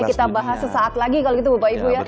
kita bahas sesaat lagi kalau gitu bapak ibu ya